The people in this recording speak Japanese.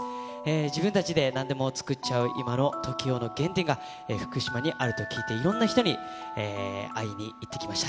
自分たちでなんでも作っちゃうＴＯＫＩＯの原点が、福島にあると聞いて、いろんな人に会いに行ってきました。